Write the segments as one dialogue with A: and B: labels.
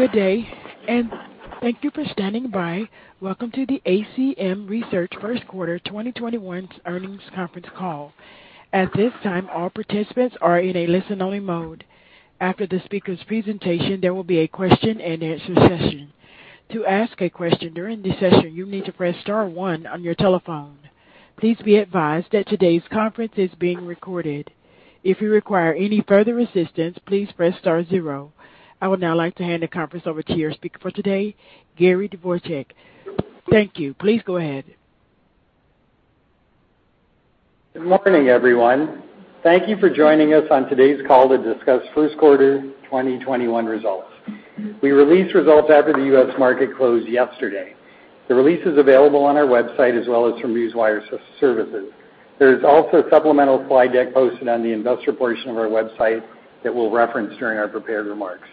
A: Good day, and thank you for standing by. Welcome to the ACM Research first quarter 2021 earnings conference call. At this time, all participants are in a listen-only mode. After the speakers' presentation, there will be a question and answer session. To ask a question during the session, you need to press star one on your telephone. Please be advised that today's conference is being recorded. If you require any further assistance, please press star zero. I would now like to hand the conference over to your speaker for today, Gary Dvorchak. Thank you. Please go ahead.
B: Good morning, everyone. Thank you for joining us on today's call to discuss first quarter 2021 results. We released results after the U.S. market closed yesterday. The release is available on our website as well as from Newswire Services. There is also a supplemental slide deck posted on the investor portion of our website that we'll reference during our prepared remarks.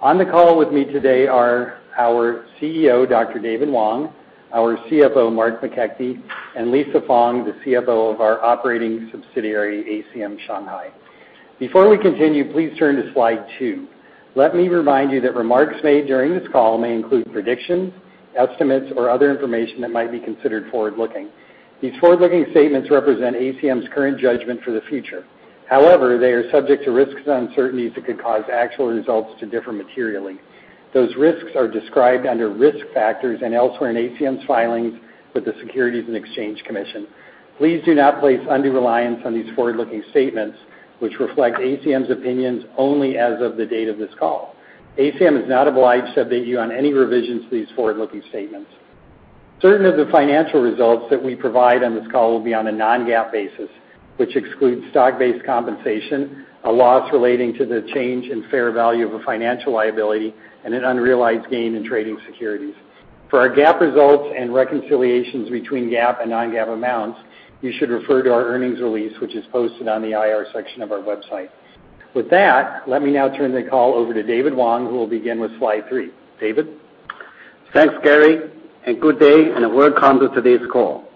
B: On the call with me today are our CEO, Dr. David Wang, our CFO, Mark McKechnie, and Lisa Feng, the CFO of our operating subsidiary, ACM Shanghai. Before we continue, please turn to slide two. Let me remind you that remarks made during this call may include predictions, estimates, or other information that might be considered forward-looking. These forward-looking statements represent ACM's current judgment for the future. However, they are subject to risks and uncertainties that could cause actual results to differ materially. Those risks are described under Risk Factors and elsewhere in ACM's filings with the Securities and Exchange Commission. Please do not place undue reliance on these forward-looking statements, which reflect ACM's opinions only as of the date of this call. ACM is not obliged to update you on any revisions to these forward-looking statements. Certain of the financial results that we provide on this call will be on a non-GAAP basis, which excludes stock-based compensation, a loss relating to the change in fair value of a financial liability, and an unrealized gain in trading securities. For our GAAP results and reconciliations between GAAP and non-GAAP amounts, you should refer to our earnings release, which is posted on the IR section of our website. With that, let me now turn the call over to David Wang, who will begin with slide three. David?
C: Thanks, Gary. Good day, and welcome to today's call.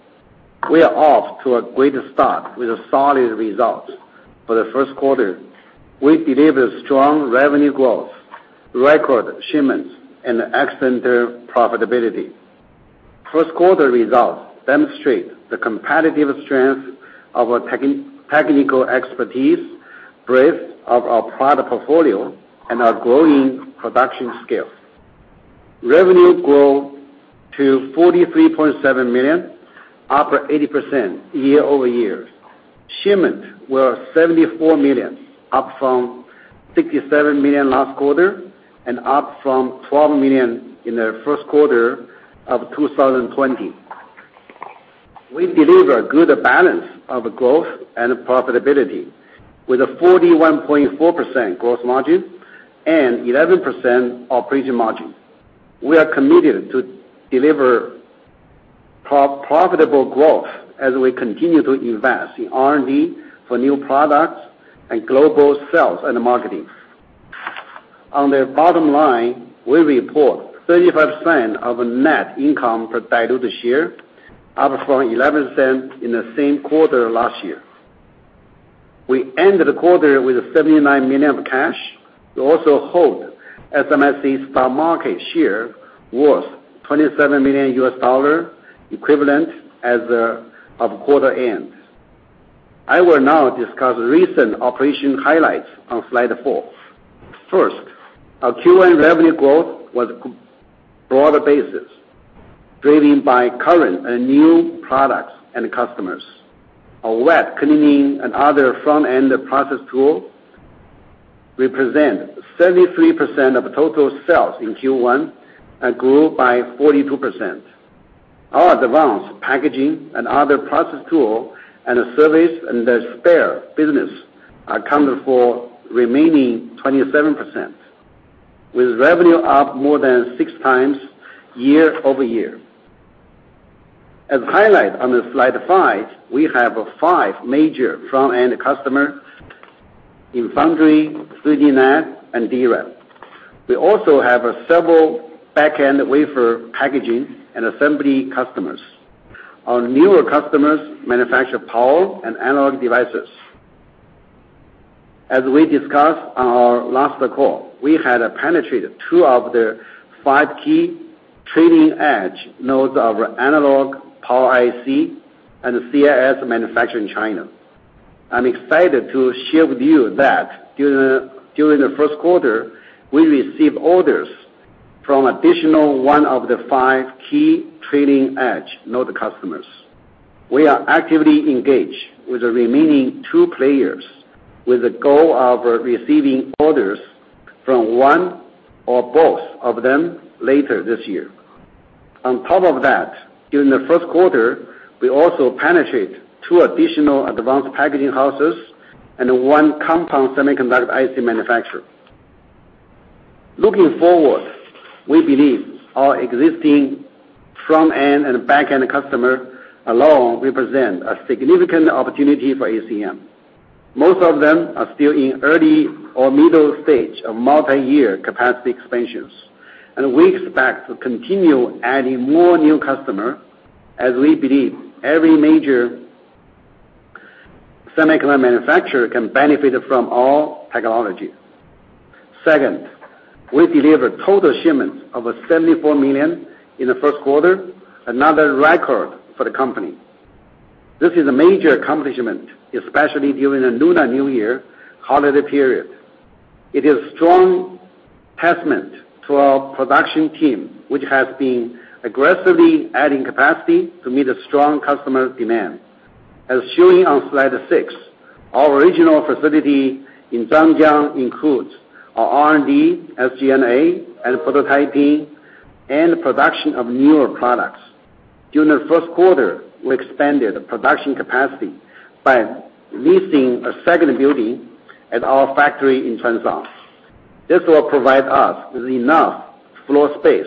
C: We are off to a great start with solid results for the first quarter. We delivered strong revenue growth, record shipments, and excellent profitability. First quarter results demonstrate the competitive strength of our technical expertise, breadth of our product portfolio, and our growing production scale. Revenue grew to $43.7 million, up 80% year-over-year. Shipments were $74 million, up from $67 million last quarter and up from $12 million in the first quarter of 2020. We deliver a good balance of growth and profitability with a 41.4% gross margin and 11% operating margin. We are committed to deliver profitable growth as we continue to invest in R&D for new products and global sales and marketing. On the bottom line, we report $0.35 of net income per diluted share, up from 11% in the same quarter last year. We ended the quarter with $79 million of cash. We also hold SMIC STAR Market share worth $27 million equivalent as of quarter end. I will now discuss recent operation highlights on slide four. First, our Q1 revenue growth was broad-based, driven by current and new products and customers. Our wet cleaning and other front-end process tools represent 73% of total sales in Q1 and grew by 42%. Our advanced packaging and other process tools and service and spare business accounted for remaining 27%, with revenue up more than six times year-over-year. As highlighted on slide five, we have five major front-end customers in foundry, 3D NAND, and DRAM. We also have several back-end wafer packaging and assembly customers. Our newer customers manufacture power and analog devices. As we discussed on our last call, we had penetrated two of the five key trailing-edge nodes of analog, Power IC, and CIS manufactured in China. I'm excited to share with you that during the first quarter, we received orders from additional one of the five key trailing-edge node customers. We are actively engaged with the remaining two players with the goal of receiving orders from one or both of them later this year. On top of that, during the first quarter, we also penetrate two additional advanced packaging houses and one compound semiconductor IC manufacturer. Looking forward, we believe our existing front-end and back-end customers alone represent a significant opportunity for ACM. Most of them are still in early or middle stages of multi-year capacity expansions, and we expect to continue adding more new customers as we believe every major Semiconductor manufacturer can benefit from all technology. Second, we delivered total shipments of 74 million in the first quarter, another record for the company. This is a major accomplishment, especially during the Lunar New Year holiday period. It is strong testament to our production team, which has been aggressively adding capacity to meet a strong customer demand. As shown on slide six, our original facility in Zhangjiang includes our R&D, SG&A, and prototyping, and production of newer products. During the first quarter, we expanded the production capacity by leasing a second building at our factory in Chuansha. This will provide us with enough floor space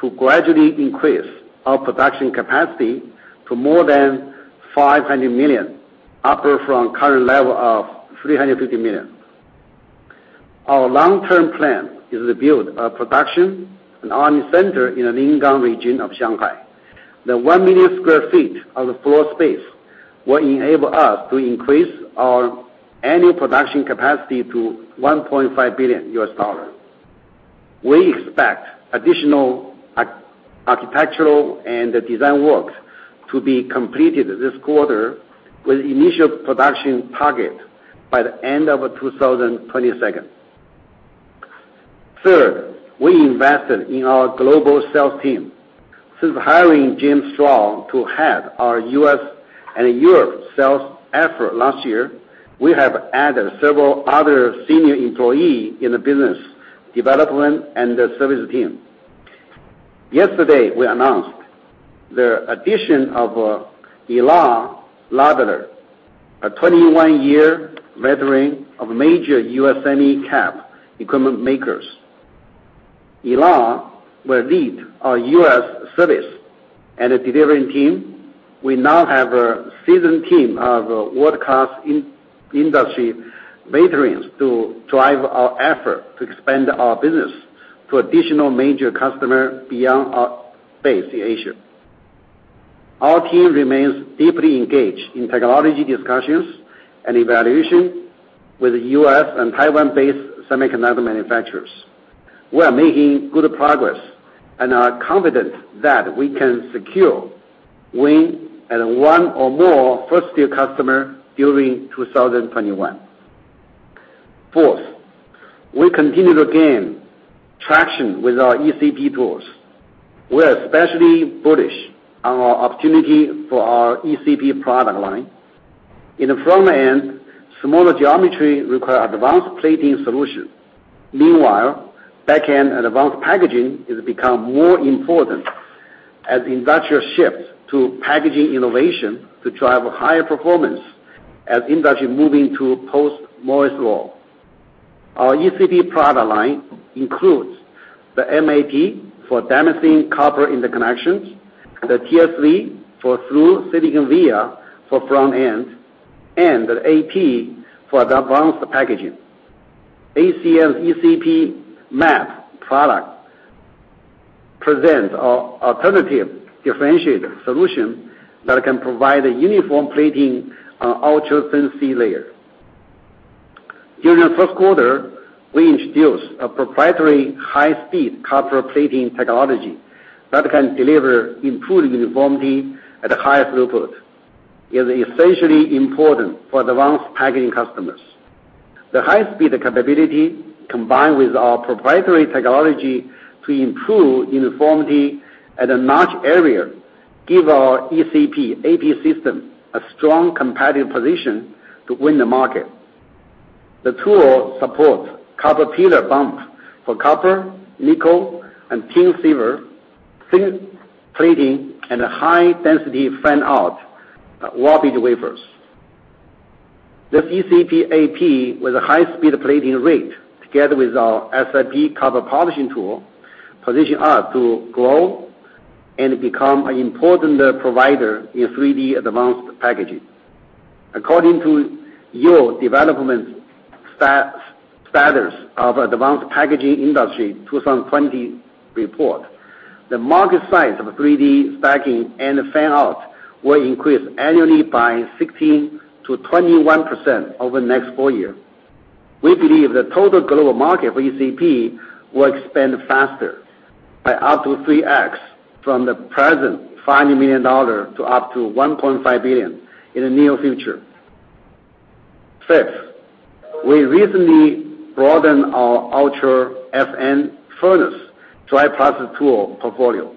C: to gradually increase our production capacity to more than 500 million, upward from current level of 350 million. Our long-term plan is to build a production and R&D center in the Lingang region of Shanghai. The 1 million square feet of floor space will enable us to increase our annual production capacity to $1.5 billion. We expect additional architectural and design works to be completed this quarter, with initial production target by the end of 2022. Third, we invested in our global sales team. Since hiring James Huang to head our U.S. and Europe sales effort last year, we have added several other senior employee in the business development and the service team. Yesterday, we announced the addition of Elad Nadler, a 21-year veteran of major U.S. semi-cap equipment makers. Elad will lead our U.S. service and delivery team. We now have a seasoned team of world-class industry veterans to drive our effort to expand our business to additional major customer beyond our base in Asia. Our team remains deeply engaged in technology discussions and evaluation with U.S. and Taiwan-based semiconductor manufacturers. We are making good progress and are confident that we can secure win and one or more first year customer during 2021. Fourth, we continue to gain traction with our ECP tools. We are especially bullish on our opportunity for our ECP product line. In the front end, smaller geometry require advanced plating solution. Meanwhile, back-end and advanced packaging has become more important as industrial shifts to packaging innovation to drive higher performance as industry moving to post Moore's Law. Our ECP product line includes the MAP for Damascene copper interconnections, the TSV for through-silicon via for front-end, and the AP for advanced packaging. ACM's ECP MAP product presents a alternative differentiator solution that can provide a uniform plating on ultra-thin seed layer. During the first quarter, we introduced a proprietary high-speed copper plating technology that can deliver improved uniformity at a higher throughput, is essentially important for advanced packaging customers. The high-speed capability, combined with our proprietary technology to improve uniformity at a notch area, give our ECP ap system a strong competitive position to win the market. The tool supports copper pillar bumps for copper, nickel, and tin-silver thin plating and a high-density fan-out, wafer-level. This ECP ap with a high-speed plating rate, together with our SiP copper polishing tool, position us to grow and become an important provider in 3D advanced packaging. According to Yole Développement status of advanced packaging industry 2020 report, the market size of 3D stacking and fan-out will increase annually by 16%-21% over the next four year. We believe the total global market for ECP will expand faster by up to 3x from the present $500 million to up to $1.5 billion in the near future. Fifth, we recently broaden our Ultra Fn furnace dry process tool portfolio.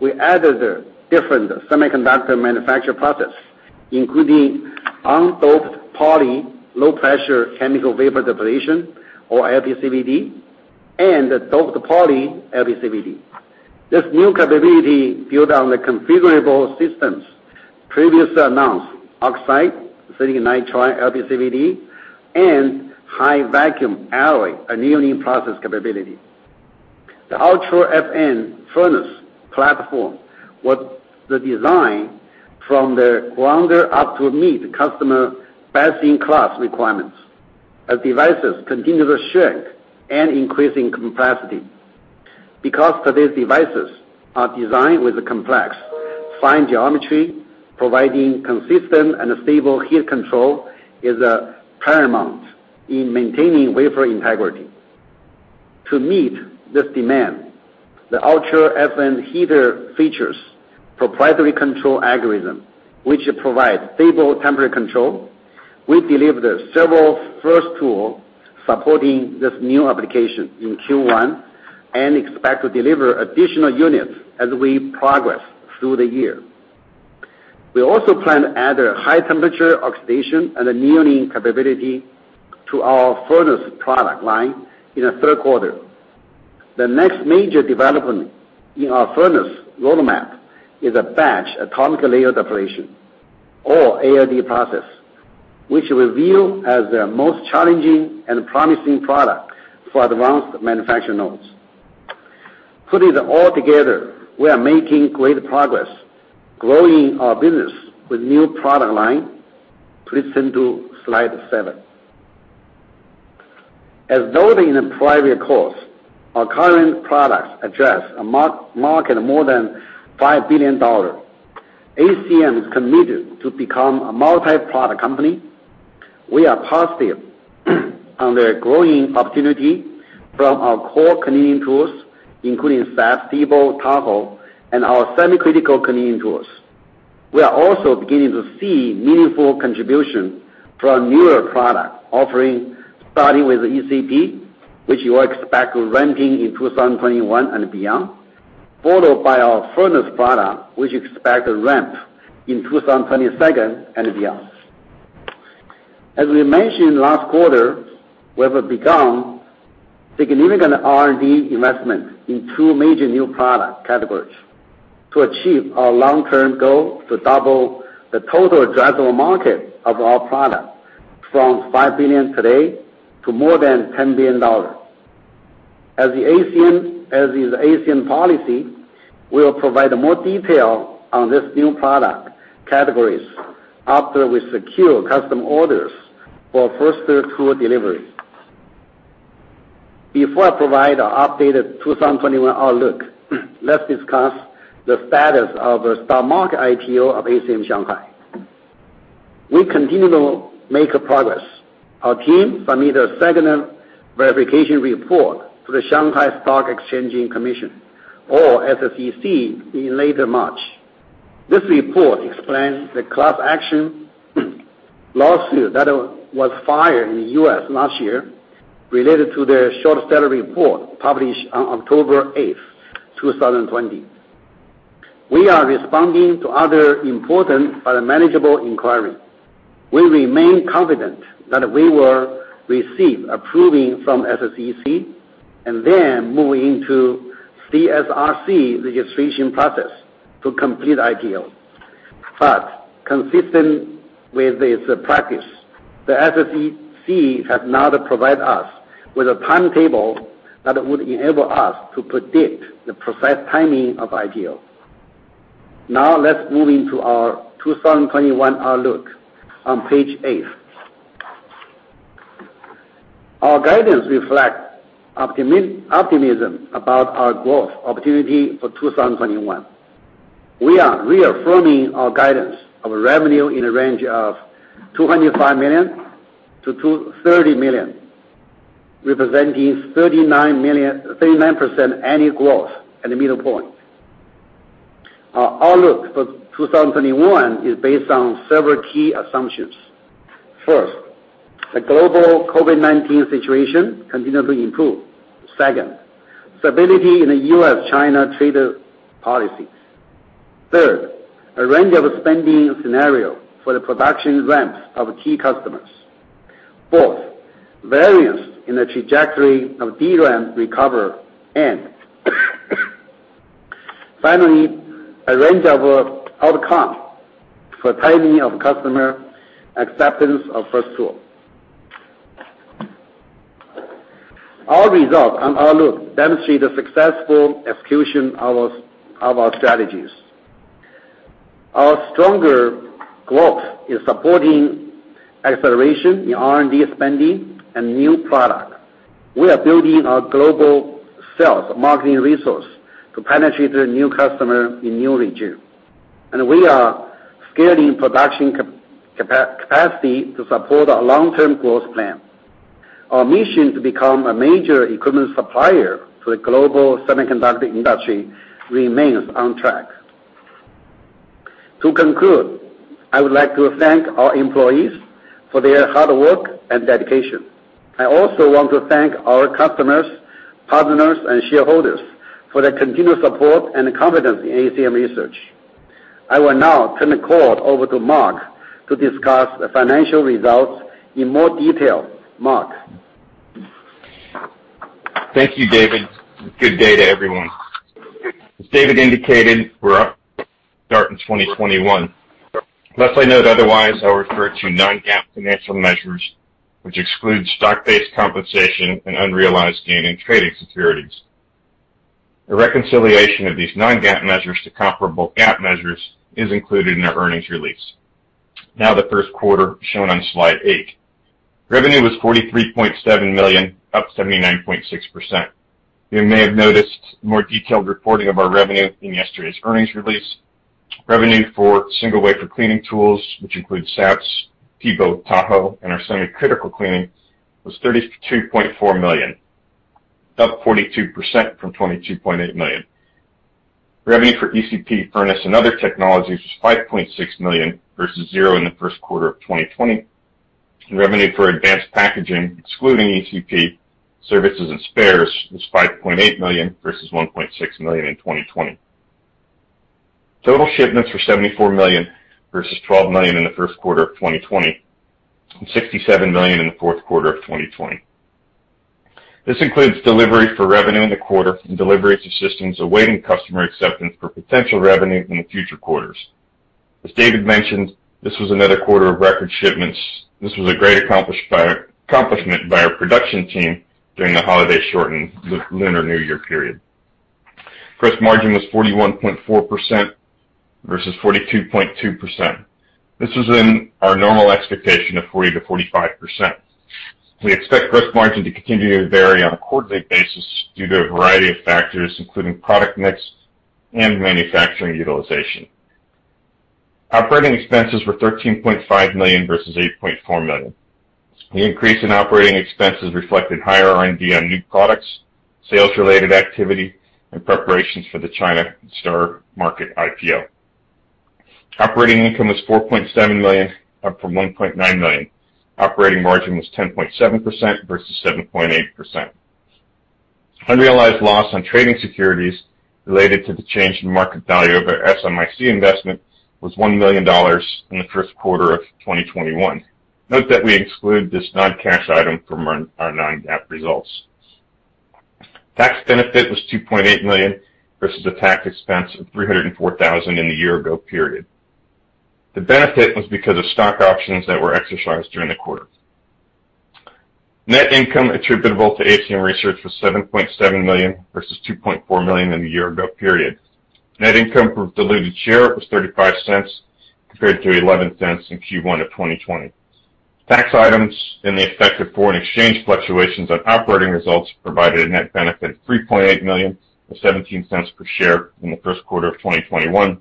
C: We added a different semiconductor manufacture process, including undoped poly low-pressure chemical vapor deposition, or LPCVD, and doped poly LPCVD. This new capability build on the configurable systems previously announced, oxide, silicon nitride LPCVD, and high-vacuum alloy annealing process capability. The Ultra Fn furnace platform was the design from the ground up to meet customer best-in-class requirements as devices continue to shrink and increasing complexity. Because today's devices are designed with a complex fine geometry, providing consistent and stable heat control is paramount in maintaining wafer integrity. To meet this demand, the Ultra Fn Heater features proprietary control algorithm, which provide stable temperature control. We delivered several first tools supporting this new application in Q1, and expect to deliver additional units as we progress through the year. We also plan to add a high temperature oxidation and annealing capability to our furnace product line in the third quarter. The next major development in our furnace roadmap is a batch atomic layer deposition or ALD process, which we view as the most challenging and promising product for advanced manufacturing nodes. Put it all together, we are making great progress growing our business with new product line. Please turn to slide seven. As noted in the prior course, our current products address a market more than $5 billion. ACM is committed to become a multi-product company. We are positive on the growing opportunity from our core cleaning tools, including SAPS, TEBO, Tahoe, and our semi-critical cleaning tools. We are also beginning to see meaningful contribution from newer product offerings, starting with ECP, which you expect ramping in 2021 and beyond, followed by our furnace product, which you expect to ramp in 2022 and beyond. As we mentioned last quarter, we have begun significant R&D investment in two major new product categories to achieve our long-term goal to double the total addressable market of our product from $5 billion today to more than $10 billion. As is ACM policy, we'll provide more detail on this new product categories after we secure custom orders for first tool delivery. Before I provide our updated 2021 outlook, let's discuss the status of the STAR Market IPO of ACM Shanghai. We continue to make progress. Our team submitted a second verification report to the Shanghai Stock Exchange Commission, or SSEC, in late March. This report explains the class action lawsuit that was filed in the U.S. last year related to their short seller report published on October 8, 2020. We are responding to other important but manageable inquiry. We remain confident that we will receive approving from SSEC, then move into CSRC registration process to complete IPO. Consistent with this practice, the SSEC have not provided us with a timetable that would enable us to predict the precise timing of IPO. Let's move into our 2021 outlook on page eight. Our guidance reflects optimism about our growth opportunity for 2021. We are reaffirming our guidance of revenue in a range of $205 million-$230 million, representing 39% annual growth at the middle point. Our outlook for 2021 is based on several key assumptions. First, the global COVID-19 situation continue to improve. Second, stability in the U.S., China trade policies. Third, a range of spending scenario for the production ramps of key customers. Fourth, variance in the trajectory of DRAM recovery. Finally, a range of outcome for timing of customer acceptance of first tool. Our results and outlook demonstrate the successful execution of our strategies. Our stronger growth is supporting acceleration in R&D spending and new product. We are building our global sales marketing resource to penetrate a new customer in new region. We are scaling production capacity to support our long-term growth plan. Our mission to become a major equipment supplier to the global semiconductor industry remains on track. To conclude, I would like to thank our employees for their hard work and dedication. I also want to thank our customers, partners, and shareholders for their continued support and confidence in ACM Research. I will now turn the call over to Mark to discuss the financial results in more detail. Mark?
D: Thank you, David. Good day to everyone. As David indicated, we are off to a good start in 2021. Unless I note otherwise, I will refer to non-GAAP financial measures, which excludes stock-based compensation and unrealized gain in trading securities. A reconciliation of these non-GAAP measures to comparable GAAP measures is included in our earnings release. The first quarter shown on slide eight. Revenue was $43.7 million, up 79.6%. You may have noticed more detailed reporting of our revenue in yesterday's earnings release. Revenue for single wafer cleaning tools, which includes SAPS, TEBO, Tahoe, and our semi-critical cleaning, was $32.4 million, up 42% from $22.8 million. Revenue for ECP, furnace, and other technologies was $5.6 million versus zero in the first quarter of 2020. Revenue for advanced packaging, excluding ECP, services and spares, was $5.8 million versus $1.6 million in 2020. Total shipments were $74 million versus $12 million in the first quarter of 2020, and $67 million in the fourth quarter of 2020. This includes delivery for revenue in the quarter and deliveries of systems awaiting customer acceptance for potential revenue in the future quarters. As David mentioned, this was another quarter of record shipments. This was a great accomplishment by our production team during the holiday-shortened Lunar New Year period. Gross margin was 41.4% versus 42.2%. This is in our normal expectation of 40%-45%. We expect gross margin to continue to vary on a quarterly basis due to a variety of factors, including product mix and manufacturing utilization. Operating expenses were $13.5 million versus $8.4 million. The increase in operating expenses reflected higher R&D on new products, sales-related activity, and preparations for the STAR Market IPO. Operating income was $4.7 million, up from $1.9 million. Operating margin was 10.7% versus 7.8%. Unrealized loss on trading securities related to the change in market value of our SMIC investment was $1 million in the first quarter of 2021. Note that we exclude this non-GAAP item from our non-GAAP results. Tax benefit was $2.8 million, versus a tax expense of $304,000 in the year ago period. The benefit was because of stock options that were exercised during the quarter. Net income attributable to ACM Research was $7.7 million, versus $2.4 million in the year ago period. Net income per diluted share was $0.35, compared to $0.11 in Q1 of 2020. Tax items and the effect of foreign exchange fluctuations on operating results provided a net benefit of $3.8 million, or $0.17 per share in the first quarter of 2021,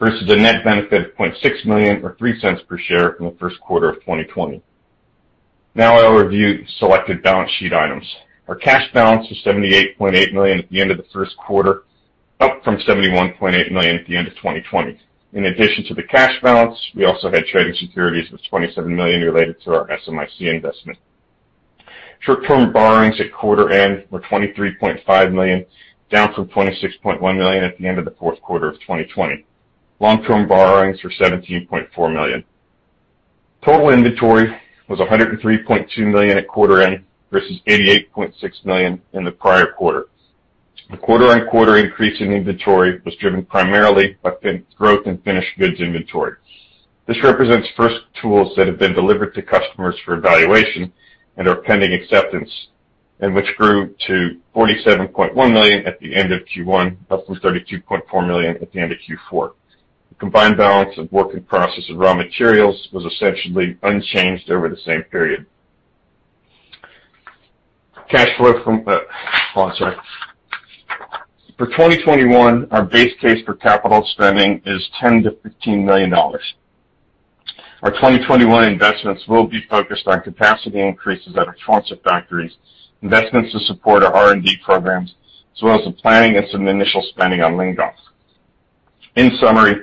D: versus a net benefit of $0.6 million or $0.03 per share in the first quarter of 2020. Now I'll review selected balance sheet items. Our cash balance was $78.8 million at the end of the first quarter, up from $71.8 million at the end of 2020. In addition to the cash balance, we also had trading securities with $27 million related to our SMIC investment. Short-term borrowings at quarter end were $23.5 million, down from $26.1 million at the end of the fourth quarter of 2020. Long-term borrowings were $17.4 million. Total inventory was $103.2 million at quarter end, versus $88.6 million in the prior quarter. The quarter-on-quarter increase in inventory was driven primarily by growth in finished goods inventory. This represents first tools that have been delivered to customers for evaluation and are pending acceptance, and which grew to $47.1 million at the end of Q1, up from $32.4 million at the end of Q4. The combined balance of work in process and raw materials was essentially unchanged over the same period. For 2021, our base case for CapEx is $10 million-$15 million. Our 2021 investments will be focused on capacity increases at our Changshu factories, investments to support our R&D programs, as well as the planning and some initial spending on Lingang. In summary,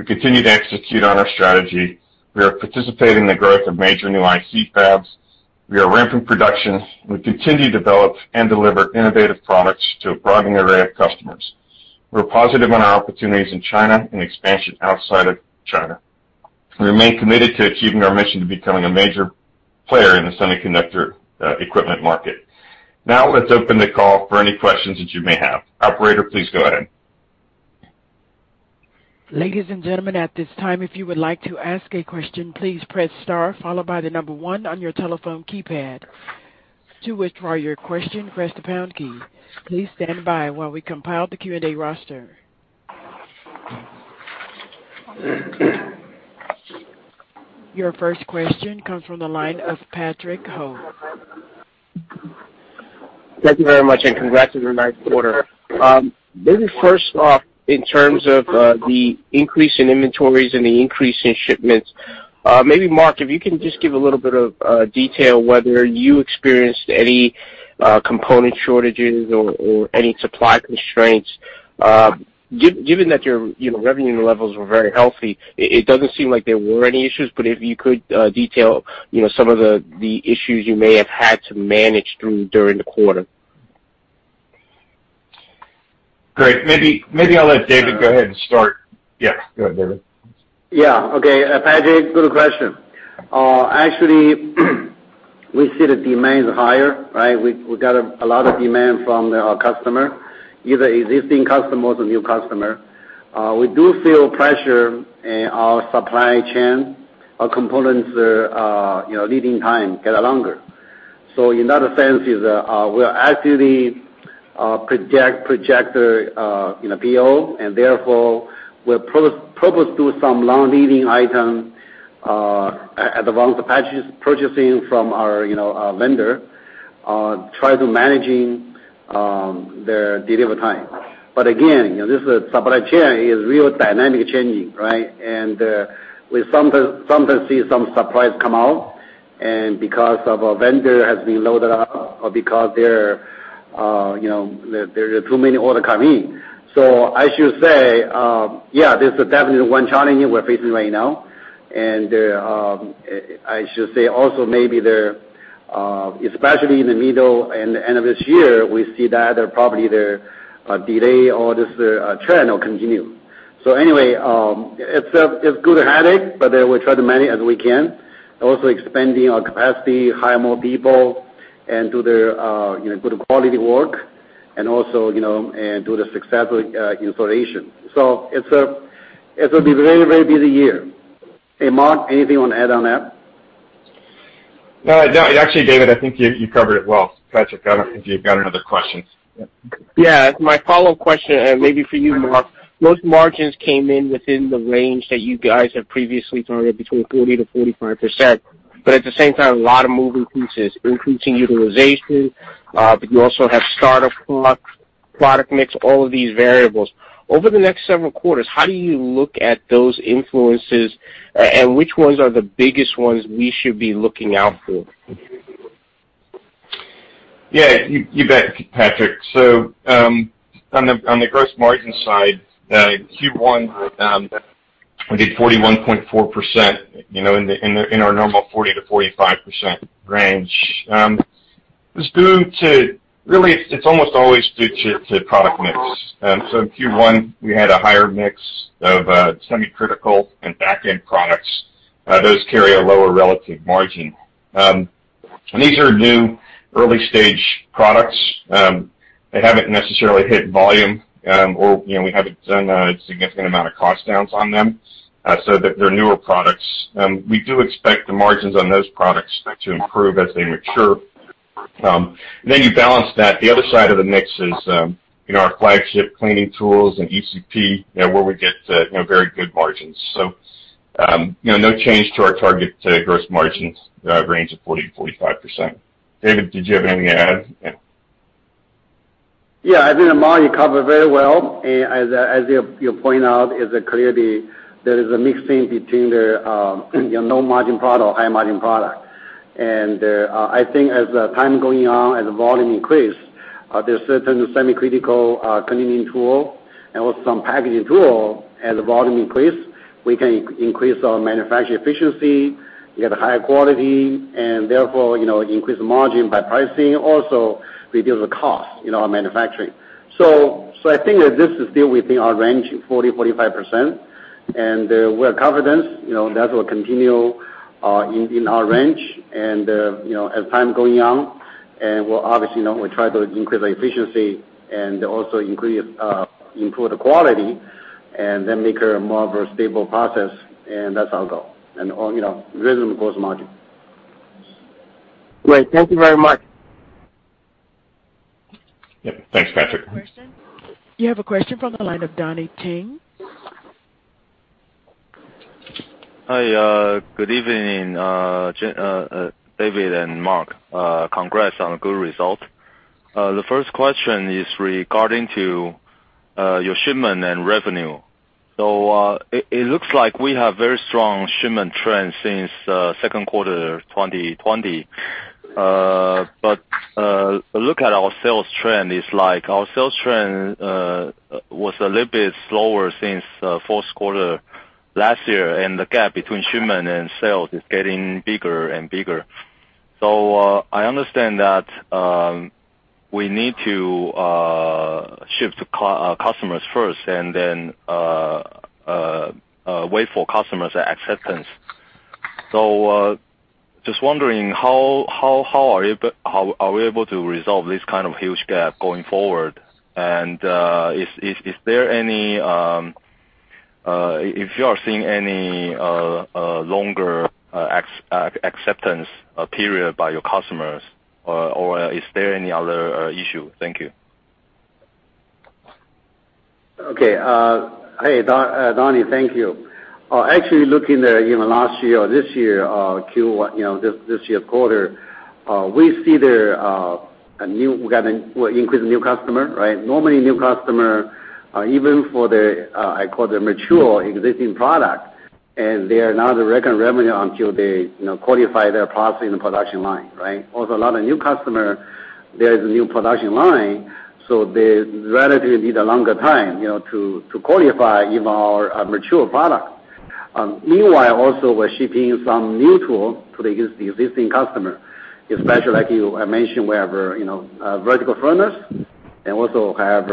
D: we continue to execute on our strategy. We are participating in the growth of major new IC fabs. We are ramping production. We continue to develop and deliver innovative products to a broadening array of customers. We're positive on our opportunities in China and expansion outside of China. We remain committed to achieving our mission to becoming a major player in the semiconductor equipment market. Now let's open the call for any questions that you may have. Operator, please go ahead.
A: Ladies and gentlemen, at this time, if you would like to ask a question, please press star followed by the number one on your telephone keypad. To withdraw your question, press the pound key. Please standby while we compile the Q&A roster. Your first question comes from the line of Patrick Ho.
E: Thank you very much. Congrats on your nice quarter. Maybe first off, in terms of the increase in inventories and the increase in shipments, Mark, if you can just give a little bit of detail whether you experienced any component shortages or any supply constraints. Given that your revenue levels were very healthy, it doesn't seem like there were any issues, but if you could detail some of the issues you may have had to manage through during the quarter. Great. Maybe I'll let David go ahead and start. Yeah, go ahead, David.
C: Okay. Patrick, good question. Actually, we see the demand is higher, right? We got a lot of demand from our customers, either existing customers or new customers. We do feel pressure in our supply chain. Our components lead time get longer. In that sense, we are actively project the PO and therefore we propose to do some long-leading item advance purchasing from our vendor, try to managing their delivery time. Again, this supply chain is real dynamic changing, right? We sometimes see some surprises come out because a vendor has been loaded up or because there are too many orders come in. I should say, this is definitely one challenge we're facing right now. I should say also maybe there, especially in the middle and the end of this year, we see that probably the delay or this trend will continue. Anyway, it's good headache, but we try to manage as we can. Also expanding our capacity, hire more people, and do the good quality work, and do the successful installation. It will be very busy year. Hey, Mark, anything you want to add on that?
D: No, actually, David, I think you covered it well. Patrick, I don't know if you've got another question.
E: Yeah. My follow-up question, maybe for you, Mark. Gross margins came in within the range that you guys have previously targeted, between 40%-45%, but at the same time, a lot of moving pieces, increasing utilization, but you also have start of product mix, all of these variables. Over the next several quarters, how do you look at those influences, and which ones are the biggest ones we should be looking out for?
D: Yeah, you bet, Patrick. On the gross margin side, Q1 did 41.4%, in our normal 40%-45% range. Really, it's almost always due to product mix. Q1, we had a higher mix of semi-critical and back-end products. Those carry a lower relative margin. These are new early-stage products. They haven't necessarily hit volume, or we haven't done a significant amount of cost downs on them, they're newer products. We do expect the margins on those products to improve as they mature. You balance that. The other side of the mix is our flagship cleaning tools and ECP, where we get very good margins. No change to our target gross margins range of 40%-45%. David, did you have anything to add? Yeah.
C: Yeah. I think, Mark, you covered very well. As you point out, clearly, there is a mixing between the low margin product or high margin product. I think as time going on, as volume increase, there's certain semi-critical cleaning tool and also some packaging tool. As volume increase, we can increase our manufacturing efficiency, get a higher quality, and therefore increase margin by pricing. Also, reduce the cost in our manufacturing. I think that this is still within our range, 40%-45%, and we are confident that will continue in our range. As time going on, and we'll obviously try to increase the efficiency and also improve the quality and then make a more stable process, and that's our goal. Raise the gross margin.
E: Great. Thank you very much.
D: Yep. Thanks, Patrick.
A: You have a question? You have a question from the line of Donnie Teng.
F: Hi. Good evening, David and Mark. Congrats on a good result. The first question is regarding to your shipment and revenue. It looks like we have very strong shipment trends since second quarter 2020. Look at our sales trend, like our sales trend was a little bit slower since fourth quarter last year, and the gap between shipment and sales is getting bigger and bigger. I understand that we need to ship to customers first and then wait for customers' acceptance. Just wondering, how are we able to resolve this kind of huge gap going forward? If you are seeing any longer acceptance period by your customers or is there any other issue? Thank you.
C: Okay. Hey, Donnie. Thank you. Actually, looking there, even last year or this year, this year quarter, we see we increase new customer, right. Normally new customer, even for the, I call the mature existing product, they are not recognizing revenue until they qualify their process in the production line, right. A lot of new customer, there is a new production line, they relatively need a longer time to qualify even our mature product. Meanwhile, also, we're shipping some new tool to the existing customer, especially like you mentioned, we have vertical furnace and also have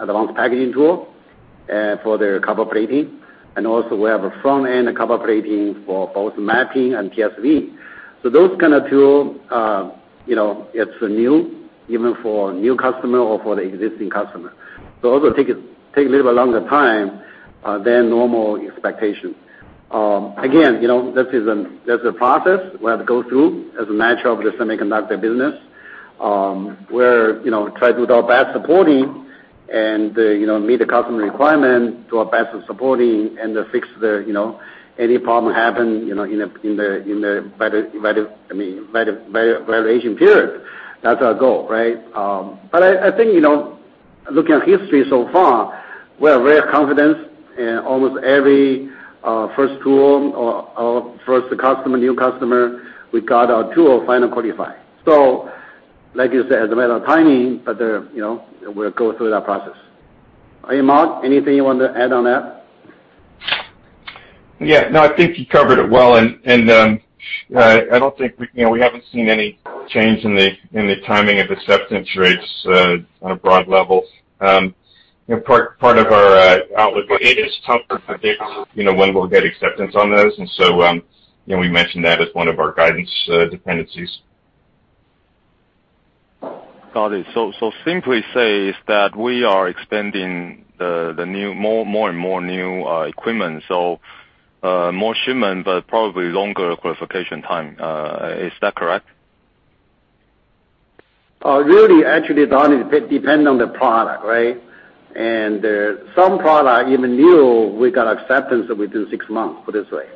C: advanced packaging tool for their copper plating. Also we have a front-end copper plating for both ECP map and TSV. Those kind of tool, it's new, even for new customer or for the existing customer. Also take a little longer time than normal expectation. Again, that's a process we have to go through as a matter of the semiconductor business, where, try to do our best supporting and meet the customer requirement, do our best of supporting and to fix any problem happen in the validation period. That's our goal, right? I think, looking at history so far, we are very confident in almost every first tool or first new customer, we got our tool final qualified. Like you said, it's a matter of timing, but we'll go through that process. Mark, anything you want to add on that?
D: Yeah. No, I think you covered it well. I don't think we haven't seen any change in the timing of acceptance rates on a broad level. Part of our outlook, it is tough to predict when we'll get acceptance on those. We mentioned that as one of our guidance dependencies.
F: Got it. Simply say is that we are expanding more and more new equipment, so more shipment, but probably longer qualification time. Is that correct?
C: Really, actually, it depends on the product, right? Some products, even new, we got acceptance within six months, put it this way,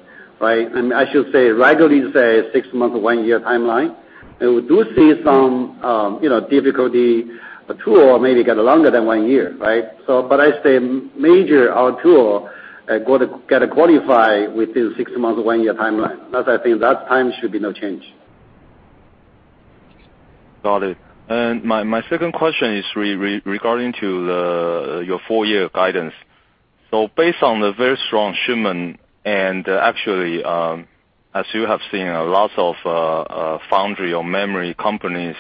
C: right? I should say, regularly, say six months to one year timeline. We do see some difficulty. A tool maybe get longer than one year, right? I say major our tool get qualified within six months or one year timeline, because I think that time should be no change.
F: Got it. My second question is regarding to your full year guidance. Based on the very strong shipment and actually, as you have seen, lots of foundry or memory companies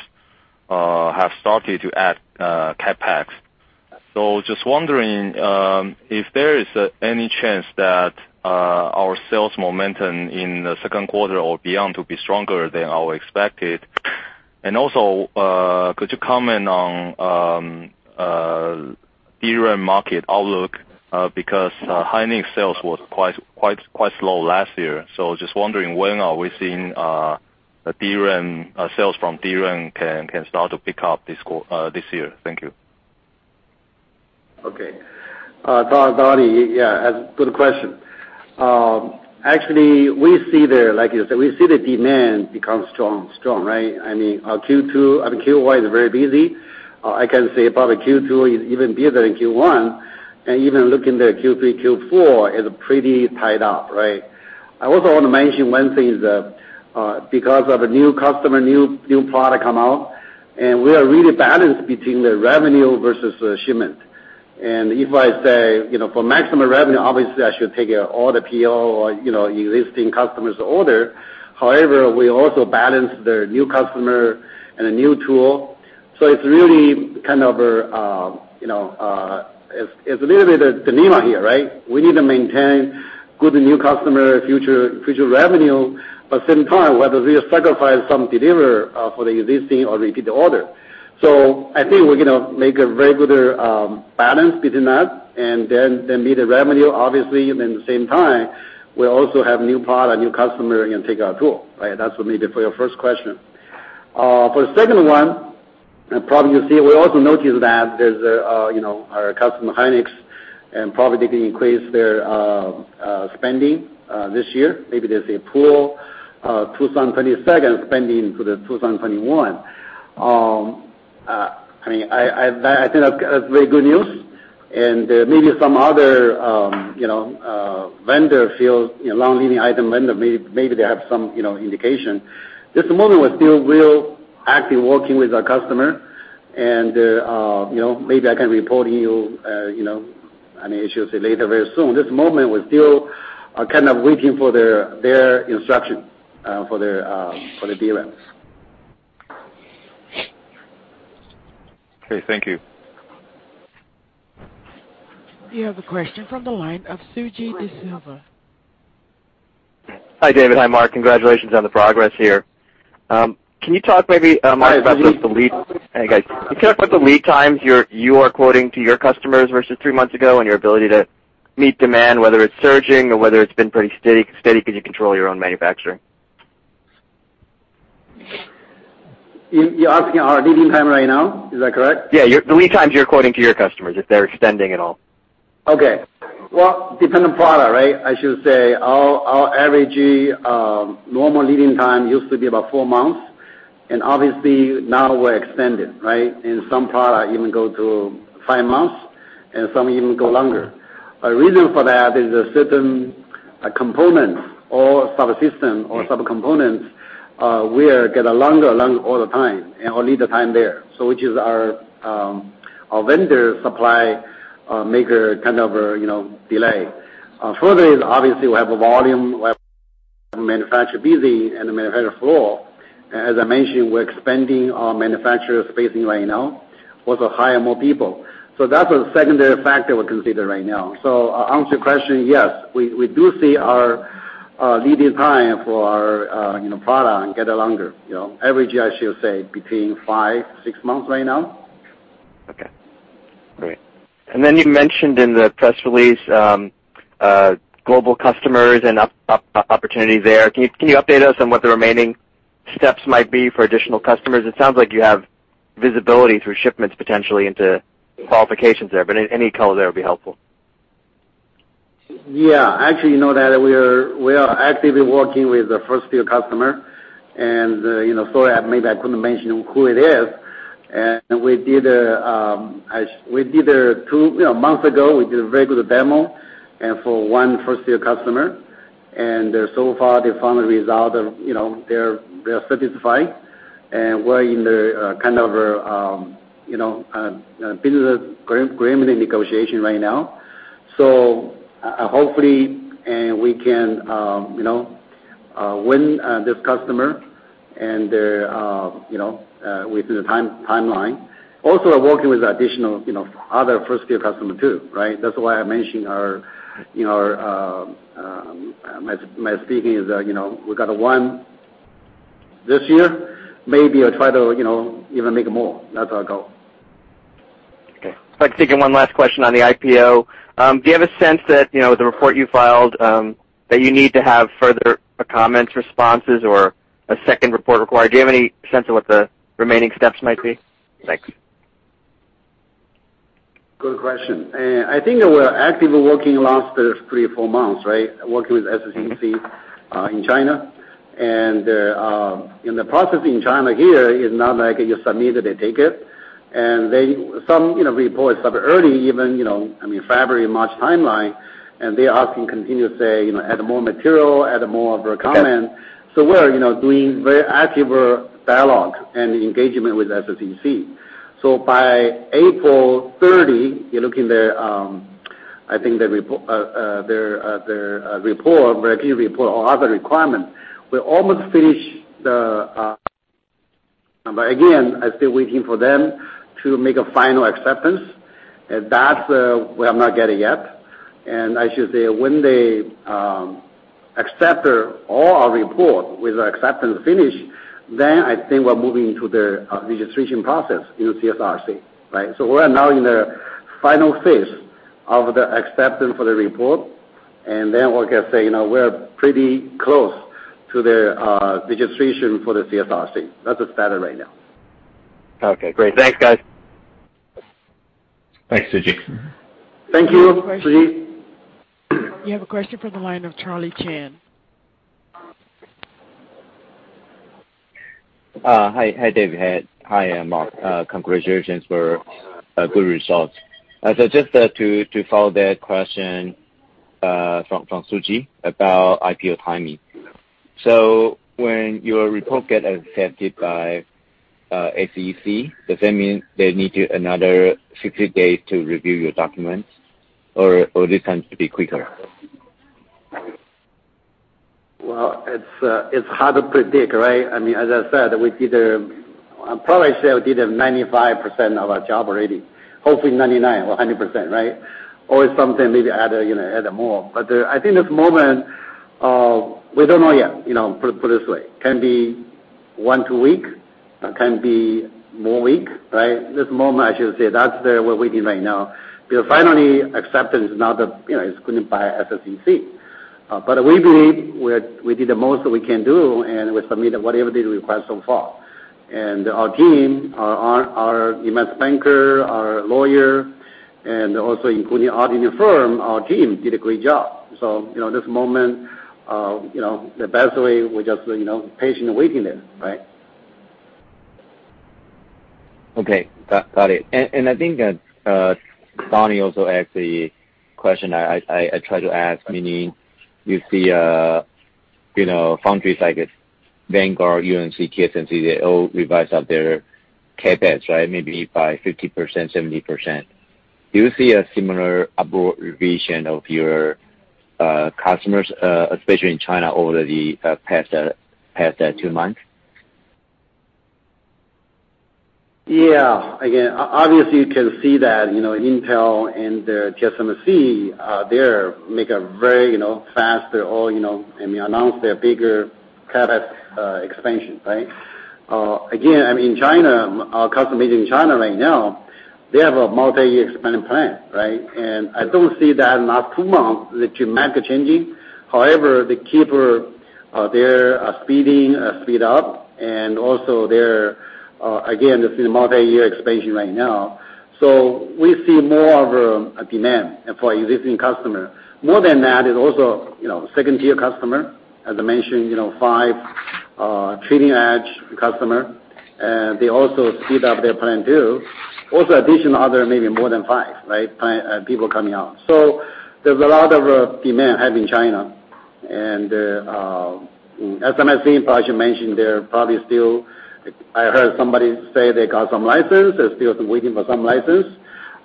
F: have started to add CapEx. Just wondering, if there is any chance that our sales momentum in the second quarter or beyond to be stronger than our expected. Also, could you comment on DRAM market outlook? Because SK Hynix sales was quite slow last year. Just wondering when are we seeing sales from DRAM can start to pick up this year. Thank you.
C: Okay. Donnie, yeah, good question. Actually, like you said, we see the demand become strong, right? Our Q1 is very busy. I can say probably Q2 is even busier than Q1, and even looking at Q3, Q4 is pretty tied up, right? I also want to mention one thing is that, because of a new customer, new product come out, and we are really balanced between the revenue versus shipment. If I say, for maximum revenue, obviously, I should take all the PO or existing customers' order. However, we also balance the new customer and a new tool. It's a little bit a dilemma here, right? We need to maintain good new customer future revenue, but same time, whether we sacrifice some deliver for the existing or repeat the order. I think we're going to make a very good balance between that and then meet the revenue, obviously. The same time, we also have new product, new customer and take our tool, right? That's for maybe for your first question. For the second one, probably you see, we also notice that our customer, Hynix, probably they can increase their spending this year. Maybe there's a pool of 2022 spending to the 2021. I think that's very good news. Maybe some other vendor feel, long-leading item vendor, maybe they have some indication. This moment, we're still real active working with our customer and maybe I can report you on the issues later very soon. This moment, we still are kind of waiting for their instruction, for the DRAMs.
F: Okay. Thank you.
A: You have a question from the line of Suji Desilva.
G: Hi, David. Hi, Mark. Congratulations on the progress here. Hey, guys. Can you talk about the lead times you are quoting to your customers versus three months ago and your ability to meet demand, whether it's surging or whether it's been pretty steady because you control your own manufacturing?
C: You're asking our leading time right now, is that correct?
G: Yeah. The lead times you're quoting to your customers, if they're extending at all.
C: Well, dependent product, right? I should say our average normal lead time used to be about four months. Obviously now we're extended, right? In some product, even go to five months. Some even go longer. A reason for that is a certain component or subsystem or sub-components will get longer all the time. Our lead time there. Which is our vendor supply maker kind of delay. Further is obviously we have a volume, we have manufacturer busy. The manufacturer flow. As I mentioned, we're expanding our manufacturer spacing right now. Hire more people. That's a secondary factor we consider right now. To answer your question, yes, we do see our lead time for our product get longer. Average, I should say between five to six months right now.
G: Great. You mentioned in the press release, global customers and opportunities there. Can you update us on what the remaining steps might be for additional customers? It sounds like you have visibility through shipments potentially into qualifications there, any color there would be helpful.
C: Yeah. Actually, you know that we are actively working with the first-tier customer, sorry, maybe I couldn't mention who it is. A month ago, we did a very good demo for one first-tier customer, so far they found the result, they are satisfied, and we're in the business agreement negotiation right now. Hopefully, we can win this customer and within the timeline. We're working with additional other first-tier customer too. That's why I mentioned my thinking is, we got one this year. Maybe I try to even make more. That's our goal.
G: Okay. If I can take one last question on the IPO. Do you have a sense that, the report you filed, that you need to have further comments, responses, or a second report required? Do you have any sense of what the remaining steps might be? Thanks.
C: Good question. I think we're actively working last three or four months. Working with SSEC in China, the process in China here is not like you submit it, they take it. Some reports early even, February, March timeline, they ask and continue to say, "Add more material, add more of a comment.
G: Got it.
C: We're doing very active dialogue and engagement with SSEC. By April 30, you look in their report, regular report, or other requirements. Again, I still waiting for them to make a final acceptance, that we have not getting yet. I should say, when they accept all our report with the acceptance finished, then I think we're moving into the registration process in the CSRC. We're now in the final phase of the acceptance for the report, and then we can say, we're pretty close to the registration for the CSRC. That's the status right now.
G: Okay, great. Thanks, guys.
D: Thanks, Suji.
C: Thank you, Suji.
A: You have a question from the line of Charlie Chan.
H: Hi, David. Hi, Mark. Congratulations for good results. Just to follow that question, from Suji about IPO timing. When your report get accepted by SEC, does that mean they need another 60 days to review your documents? Or this time it could be quicker?
C: Well, it's hard to predict, right? As I said, probably say we did 95% of our job already. Hopefully 99% or 100%. Or something, maybe add more. I think this moment, we don't know yet. Put it this way, can be one, two weeks, can be more weeks. This moment, I should say, that's where we're waiting right now, because finally acceptance is approved by SSEC. We believe we did the most that we can do, and we submitted whatever they request so far. Our team, our investment banker, our lawyer, and also including auditing firm, our team did a great job. This moment, the best way, we just patient waiting it.
H: Okay. Got it. I think, Donnie also asked the question I try to ask, meaning, you see, foundries like Vanguard, UMC, TSMC, they all revised up their CapEx, maybe by 50%, 70%. Do you see a similar upward revision of your customers, especially in China, over the past two months?
C: Yeah. Again, obviously, you can see that Intel and TSMC, they make a very fast. They announce their bigger CapEx expansion. Again, our customer based in China right now, they have a multi-year expansion plan. I don't see that in the last two months, the dramatic changing. However, they keep their speeding, speed up, and also their, again, this is a multi-year expansion right now. We see more of a demand for existing customer. More than that, is also second-tier customer, as I mentioned, five treating edge customer, they also speed up their plan, too. Also addition other maybe more than five, people coming out. There's a lot of demand have in China. SMIC, as you mentioned, I heard somebody say they got some license. They're still waiting for some license.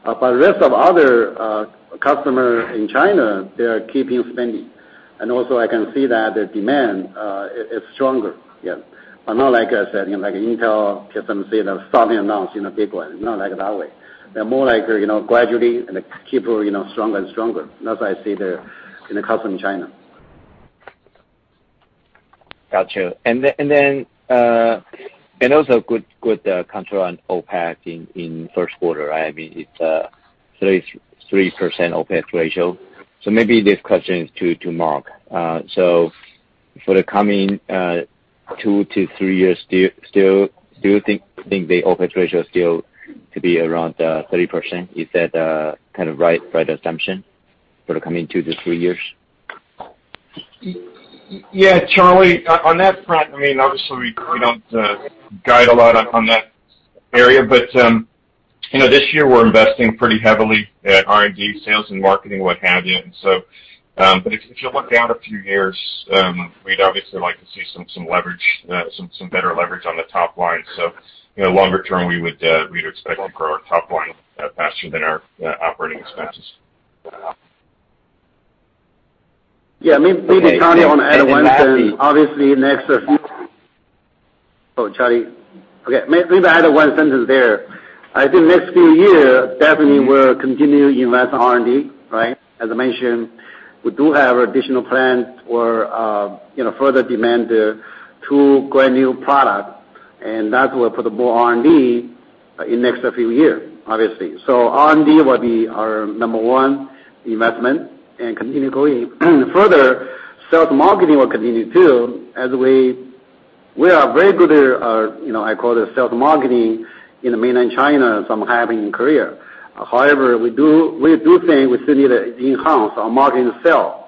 C: Rest of other customers in China, they are keeping spending. Also, I can see that the demand is stronger. Not like I said, like Intel, TSMC, they suddenly announce big one, not like that way. They're more gradually, and keep stronger and stronger. That's how I see the custom in China. Got you. Also good control on OPEX in first quarter. It's 33% OPEX ratio.
H: Maybe this question is to Mark. For the coming two to three years, do you still think the OPEX ratio still to be around 30%? Is that right assumption for the coming two to three years?
D: Yeah. Charlie, on that front, obviously, we don't guide a lot on that area. This year we're investing pretty heavily at R&D, sales, and marketing, what have you. If you look out a few years, we'd obviously like to see some better leverage on the top line. Longer term, we'd expect to grow our top line faster than our operating expenses.
C: Yeah. Maybe. Okay. Lastly, I want to add one thing. Obviously, Oh, Charlie. Okay. Maybe add one sentence there. I think next few year, definitely we will continue to invest in R&D. As I mentioned, we do have additional plans for further demand to grow a new product, and that will put more R&D in next few year, obviously. R&D will be our number one investment and continue going. Further, sales marketing will continue, too, as we are very good at our, I call it sales marketing in mainland China, some happening in Korea. We do think we still need to enhance our marketing sale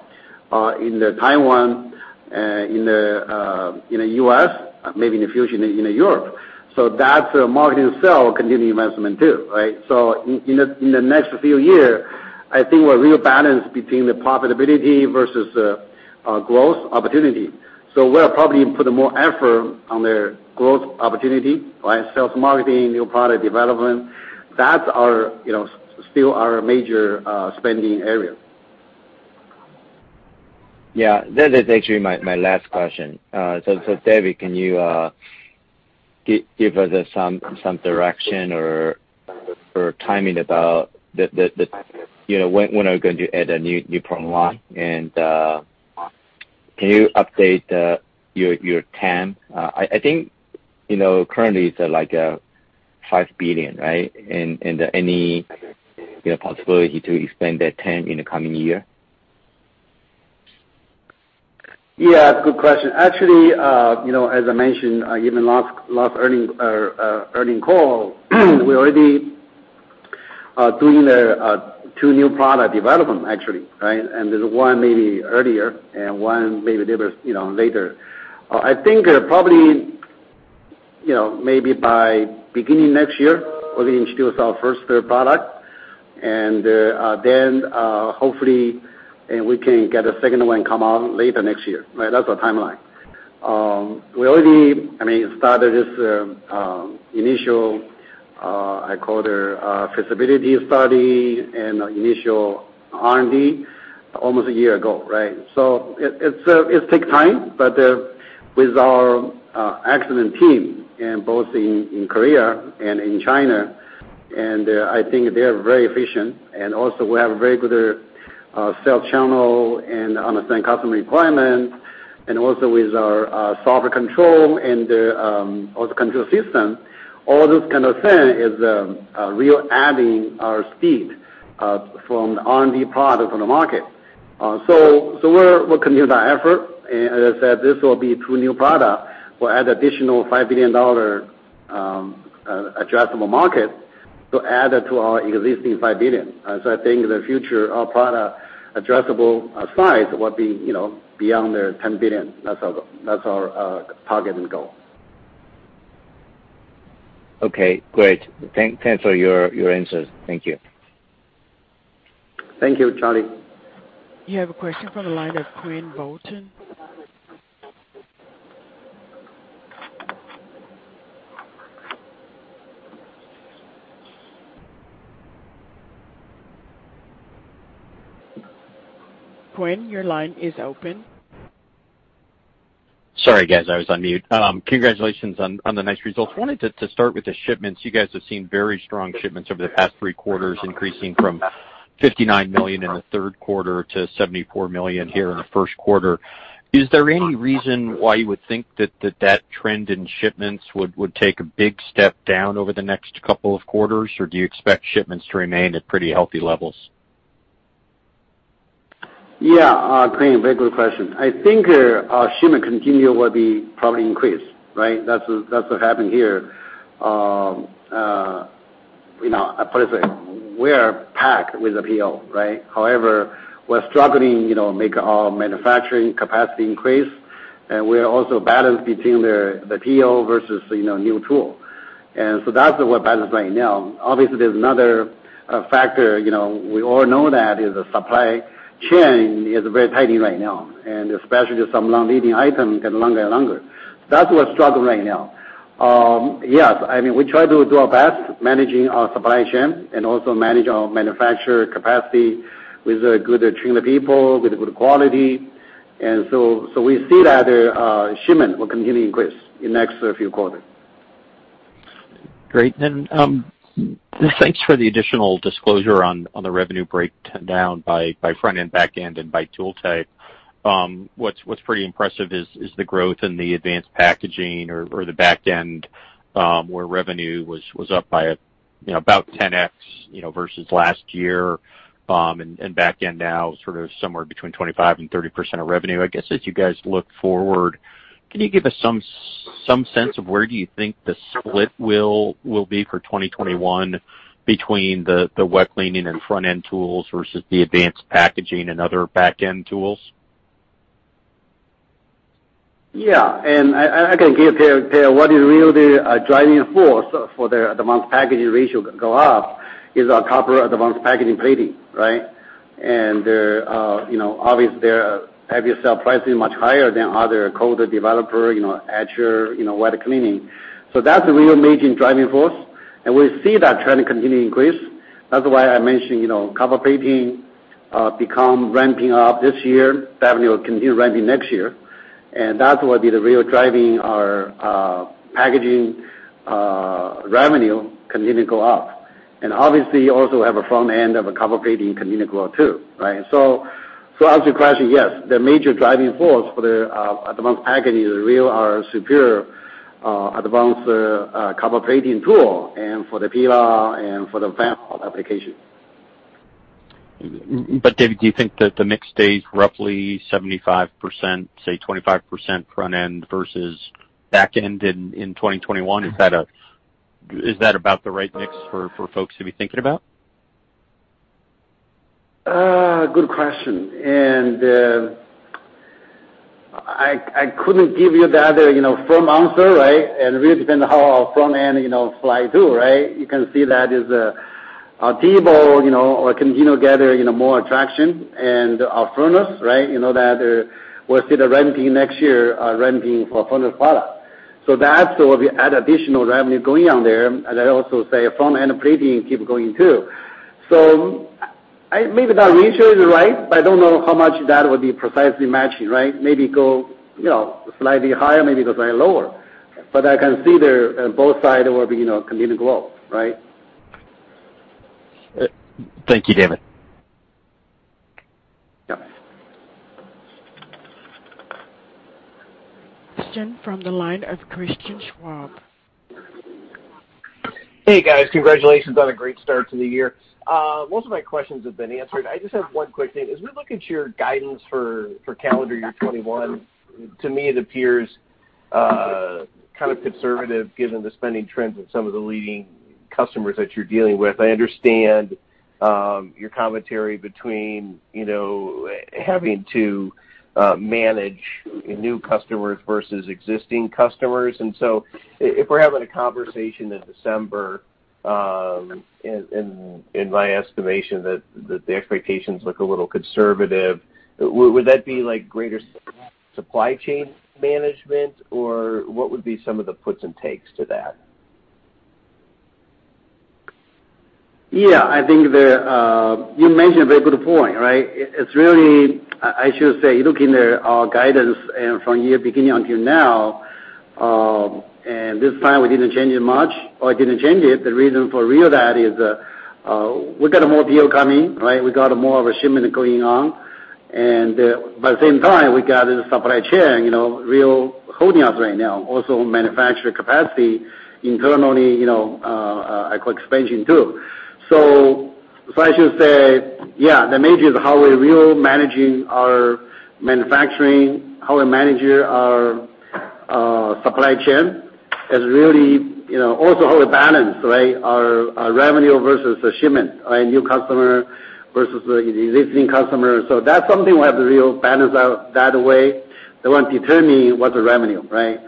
C: in the Taiwan, in the U.S., maybe in the future, in Europe. That marketing sale continue investment, too. In the next few year, I think we are real balanced between the profitability versus growth opportunity. We'll probably put more effort on the growth opportunity, sales, marketing, new product development. That's still our major spending area. Yeah. That is actually my last question. David, can you give us some direction or timing about when are we going to add a new product line, and can you update your TAM? I think currently it's like $5 billion. Any possibility to expand that TAM in the coming year? Yeah, good question. Actually, as I mentioned, even last earnings call, we're already doing two new product development, actually. There's one maybe earlier and one maybe delivers later. I think probably, maybe by beginning next year, we'll introduce our first product and then, hopefully, we can get a second one come out later next year. That's our timeline. We already started this initial, I call it a feasibility study, and initial R&D almost a year ago. It take time, but with our excellent team, both in Korea and in China, I think they're very efficient. We have very good sales channel understand customer requirements, with our software control and the auto control system. All those kind of thing is real adding our speed from the R&D product on the market. We'll continue that effort. As I said, this will be two new product. We'll add additional $5 billion addressable market to add it to our existing $5 billion. I think the future of product addressable size will be beyond the $10 billion. That's our target and goal.
H: Okay, great. Thanks for your answers. Thank you.
C: Thank you, Charlie.
A: You have a question from the line of Quinn Bolton. Quinn, your line is open.
I: Sorry, guys. I was on mute. Congratulations on the nice results. Wanted to start with the shipments. You guys have seen very strong shipments over the past three quarters, increasing from $59 million in the third quarter to $74 million here in the first quarter. Is there any reason why you would think that that trend in shipments would take a big step down over the next couple of quarters, or do you expect shipments to remain at pretty healthy levels?
C: Yeah, Quinn, very good question. I think our shipment continue will be probably increase. That's what happened here. Put it this way, we are packed with the PO. However, we're struggling, make our manufacturing capacity increase. We are also balanced between the PO versus new tool. That's what balance right now. Obviously, there's another factor, we all know that is the supply chain is very tight right now, and especially some long-leading item get longer and longer. That's what struggle right now. Yes, we try to do our best managing our supply chain and also manage our manufacturer capacity with good trained people, with good quality. We see that shipment will continue to increase in next few quarter.
I: Great. Thanks for the additional disclosure on the revenue breakdown by front-end, back-end, and by tool type. What's pretty impressive is the growth in the advanced packaging or the back-end, where revenue was up by about 10X versus last year. Back-end now is sort of somewhere between 25% and 30% of revenue. I guess as you guys look forward, can you give us some sense of where you think the split will be for 2021 between the wet cleaning and front-end tools versus the advanced packaging and other back-end tools?
C: Yeah. I can give you what is really a driving force for the advanced packaging ratio to go up is our copper advanced packaging plating. Right? Obviously, have your sell pricing much higher than other coated developer, etcher, wet cleaning. That's the real major driving force, and we see that trend continue increase. That's why I mentioned, copper plating become ramping up this year. Revenue will continue ramping next year. That will be the real driving our packaging revenue continue go up. Obviously, also have a front-end of a copper plating continue grow, too. Right? To answer your question, yes, the major driving force for the advanced packaging is really our superior advanced copper plating tool, and for the pillar and for the fan-out application.
I: David, do you think that the mix stays roughly 75%, say 25% front-end versus back-end in 2021? Is that about the right mix for folks to be thinking about?
C: Good question. I couldn't give you the other firm answer. Right? It really depends how our front-end fly too, right? You can see that is our TEBO, or continue gathering more traction and our furnace, right, that we'll see the ramping next year, ramping for furnace product. That will be additional revenue going on there. I also say front-end plating keep going, too. Maybe that ratio is right, but I don't know how much that would be precisely matching. Right? Maybe go slightly higher, maybe go slightly lower. I can see both sides will be continuing growth. Right?
I: Thank you, David.
C: Yeah.
A: Question from the line of Christian Schwab.
J: Hey, guys. Congratulations on a great start to the year. Most of my questions have been answered. I just have one quick thing. As we look at your guidance for calendar year 2021, to me, it appears kind of conservative given the spending trends of some of the leading customers that you're dealing with. I understand your commentary between having to manage new customers versus existing customers. If we're having a conversation in December, in my estimation, that the expectations look a little conservative, would that be like greater supply chain management, or what would be some of the puts and takes to that?
C: I think you mentioned a very good point, right? It's really, I should say, looking at our guidance from year beginning until now, this time we didn't change it much or didn't change it. The reason for real that is we got more deal coming, right? We got more of a shipment going on. At the same time, we got supply chain real holding us right now. Also, manufacturing capacity internally, ACM expansion, too. I should say, yeah, the major is how we're really managing our manufacturing, how we manage our supply chain is really also how we balance, right, our revenue versus the shipment, right? New customer versus the existing customer. That's something we have to real balance out that way. That won't determine what the revenue, right?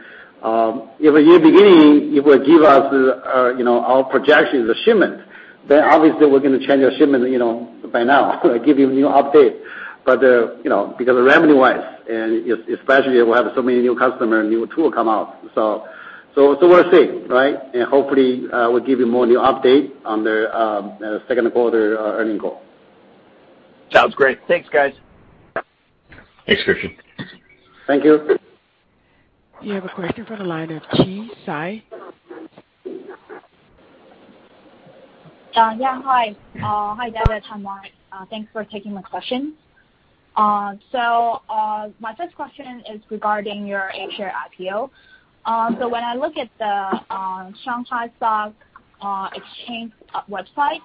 C: If a year beginning, it will give us our projections of shipment, then obviously we're going to change our shipment by now, give you new update. Because revenue-wise, and especially we have so many new customer, new tool come out. We'll see, right? Hopefully, we'll give you more new update on the second quarter earning call.
J: Sounds great. Thanks, guys.
D: Thanks, Christian.
C: Thank you.
A: You have a question from the line of Chi Tsai.
K: Yeah. Hi. Hi, David, Hi Mark. Thanks for taking my question. My first question is regarding your A-share IPO. When I look at the Shanghai Stock Exchange website,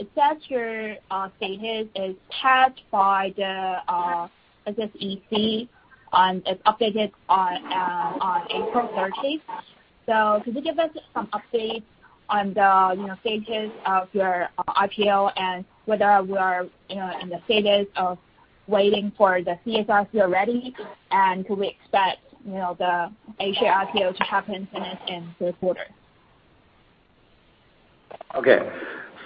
K: it says your status is passed by the SSEC, and it's updated on April 30th. Could you give us some update on the stages of your IPO and whether we are in the status of waiting for the CSRC to be ready, and can we expect the A-share IPO to happen in third quarter?
C: Okay.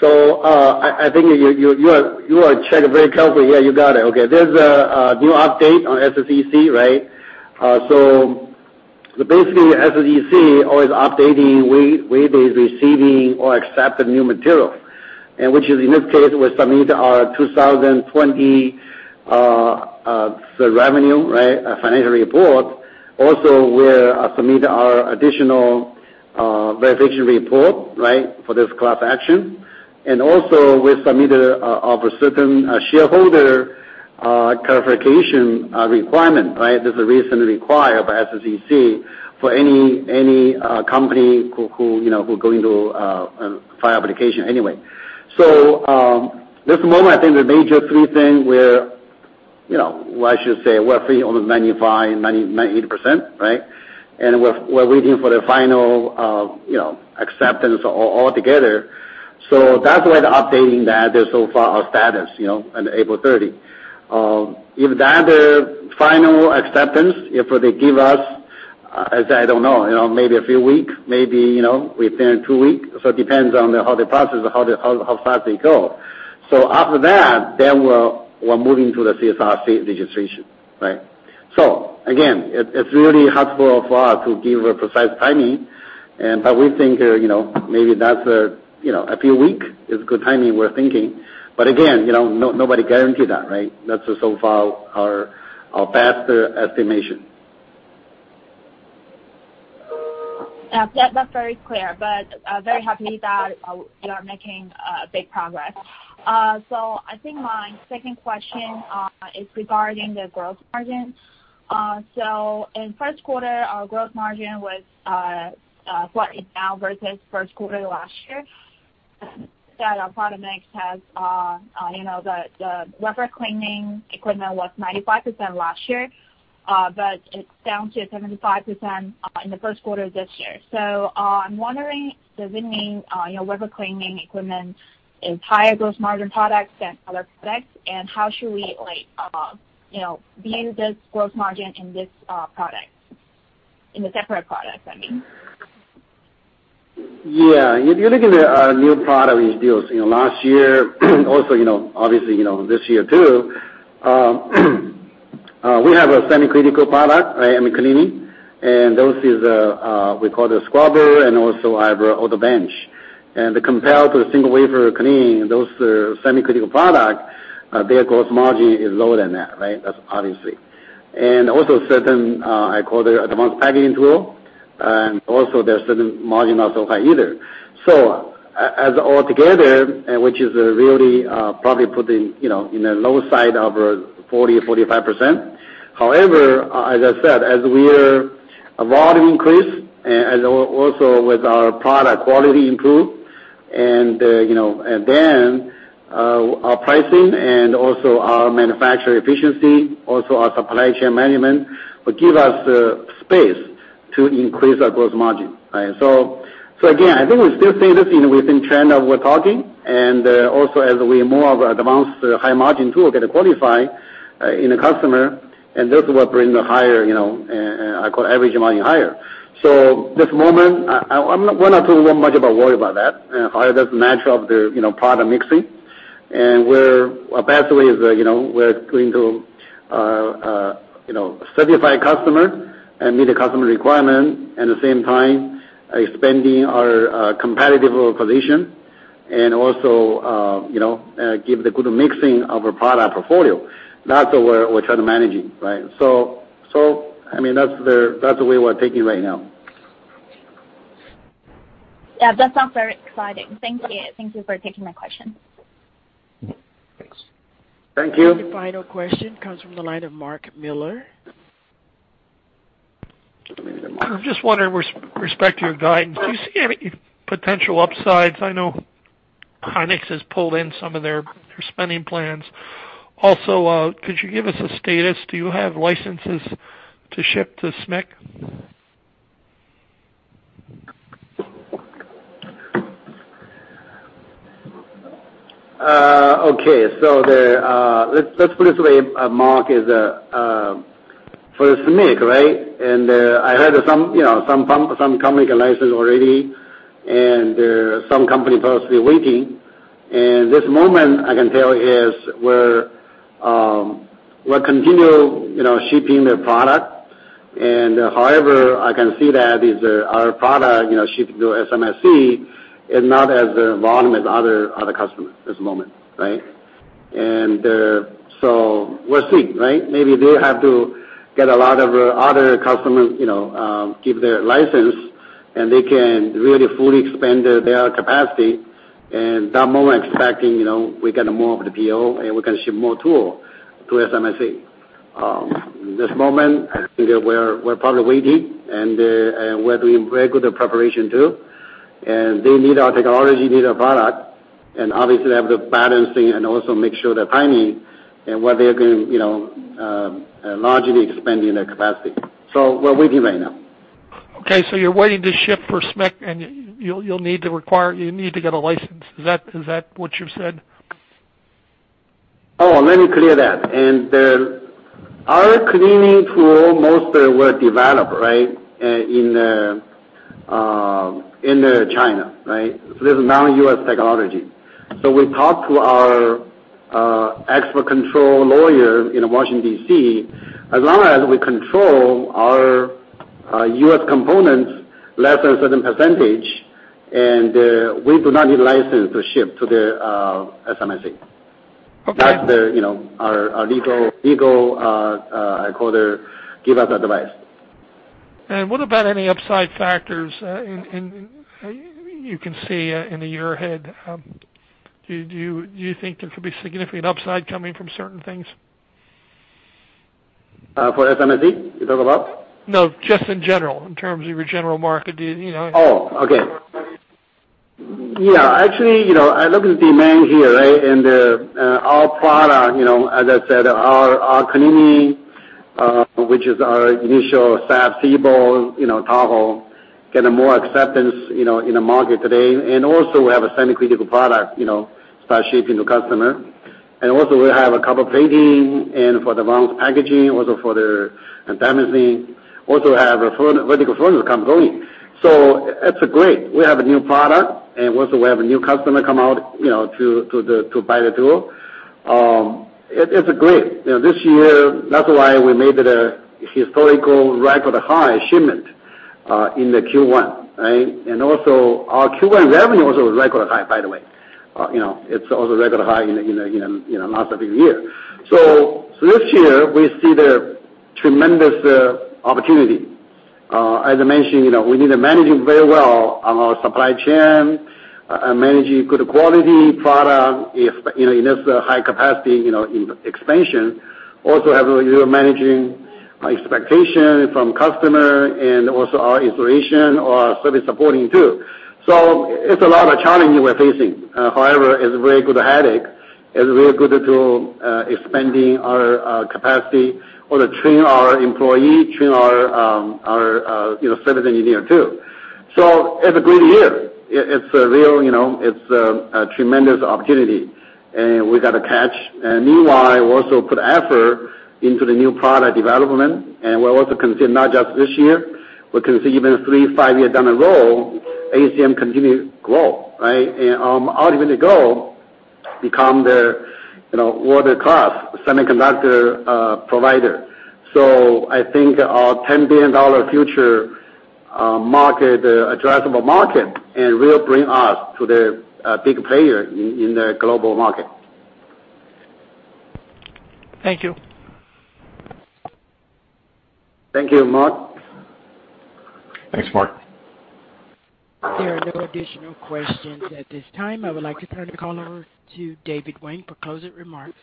C: I think you are checking very carefully. Yeah, you got it. Okay. There's a new update on SSEC, right? Basically, SSEC always updating with receiving or accepting new material. And which is in this case, we submit our 2020 revenue, financial report. Also, we submit our additional verification report for this class action. Also, we submitted of a certain shareholder clarification requirement. This is recently required by SEC for any company who go into a file application anyway. At this moment, I think the major three thing, I should say, we're free on 95%-98%, right? We're waiting for the final acceptance all together. That's why the updating that is so far our status, on April 30. If that final acceptance, if they give us, I don't know, maybe a few week, maybe within two week. It depends on how they process, how fast they go. After that, we're moving to the CSRC state registration. Again, it's really hard for us to give a precise timing, but we think maybe that's a few week is good timing, we're thinking. Again, nobody guaranteed that, right? That's so far our best estimation.
K: That's very clear. Very happy that you are making big progress. I think my second question is regarding the gross margin. In first quarter, our gross margin was flat now versus first quarter last year, that our product mix has the wafer cleaning equipment was 95% last year, but it's down to 75% in the first quarter of this year. I'm wondering, does it mean wafer cleaning equipment is higher gross margin products than other products? How should we view this gross margin in this product? In the separate product, I mean.
C: Yeah. If you look at our new product introduced last year, also, obviously, this year too, we have a semi-critical product, ACM cleaning. Those is, we call it a scrubber, and also auto bench. Compared to a single wafer cleaning, those semi-critical product, their gross margin is lower than that, right? That's obviously. Also certain, I call it advanced packaging tool, and also there are certain margin not so high either. As all together, which is really probably putting in the low side of 40%-45%. However, as I said, as we're volume increase and also with our product quality improve and then our pricing and also our manufacturer efficiency, also our supply chain management will give us space to increase our gross margin. Again, I think we still see this within trend that we're talking. Also as we more of advanced high margin tool get qualified in the customer, this will bring the higher, I call average margin higher. This moment, one or two, we're not much about worried about that, how that match up the product mixing. Our best way is we're going to certify customer and meet the customer requirement, at the same time, expanding our competitive position and also give the good mixing of our product portfolio. That's what we're trying to managing. That's the way we're taking right now.
K: Yeah. That sounds very exciting. Thank you. Thank you for taking my question.
C: Thanks.
D: Thank you.
A: Our final question comes from the line of Mark Miller.
L: Just wondering with respect to your guidance, do you see any potential upsides? I know SK Hynix has pulled in some of their spending plans. Could you give us a status? Do you have licenses to ship to SMIC?
C: Okay. Let's put it this way, Mark. For SMIC, and I heard some company got license already, and some company possibly waiting. This moment I can tell is we're continue shipping their product. However, I can see that is our product shipping to SMIC is not as volume as other customer this moment. We'll see. Maybe they have to get a lot of other customers give their license, and they can really fully expand their capacity, and that moment expecting we get more of the PO, and we can ship more tool to SMIC. This moment, I think we're probably waiting, and we're doing very good preparation, too. They need our technology, need our product, and obviously they have the balancing and also make sure the timing and what they're going to largely expanding their capacity. We're waiting right now.
L: Okay, you're waiting to ship for SMIC, and you need to get a license. Is that what you said?
C: Oh, let me clear that. Our cleaning tool most were developed in China. This is non-U.S. technology. We talked to our export control lawyer in Washington, D.C. As long as we control our U.S. components less than a certain percentage, and we do not need license to ship to SMIC.
L: Okay.
C: That's our legal advisor give us advice.
L: What about any upside factors you can see in the year ahead? Do you think there could be significant upside coming from certain things?
C: For SMIC, you talk about?
L: No, just in general, in terms of your general market.
C: Oh, okay. Yeah. Actually, I look at demand here, our product, as I said, our [cleaning], which is our initial fab, TEBO, Tahoe, get more acceptance in the market today. We have a semi-critical product start shipping to customer. We have a copper plating and for the round packaging, also for their Damascene, also have vertical furnace come going. It's great. We have a new product, and also we have a new customer come out to buy the tool. It's great. This year, that's why we made it a historical record high shipment in the Q1. Our Q1 revenue was a record high, by the way. It's also a record high in last several year. This year, we see the tremendous opportunity. As I mentioned, we need to manage it very well on our supply chain and managing good quality product in this high capacity expansion. Have a little managing expectation from customer and also our installation or our service supporting, too. It's a lot of challenge we're facing. It's very good headache. It's very good to expanding our capacity or to train our employee, train our service engineer, too. It's a great year. It's a tremendous opportunity, and we got to catch. Meanwhile, also put effort into the new product development, and we're also consider not just this year, we consider even three, five years down the road, ACM continue grow. Ultimately goal, become the world-class semiconductor provider. I think our $10 billion future addressable market and will bring us to the big player in the global market.
L: Thank you.
C: Thank you, Mark.
B: Thanks, Mark.
A: There are no additional questions at this time. I would like to turn the call over to David Wang for closing remarks.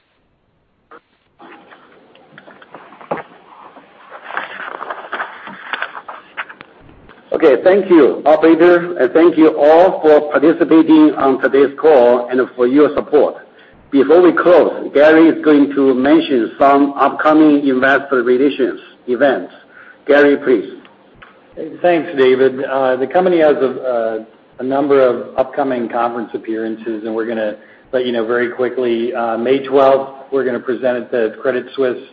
C: Okay. Thank you, operator, and thank you all for participating on today's call and for your support. Before we close, Gary is going to mention some upcoming investor relations events. Gary, please.
B: Thanks, David. The company has a number of upcoming conference appearances, we're going to let you know very quickly. May 12th, we're going to present at the Credit Suisse